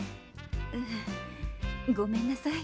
ううごめんなさい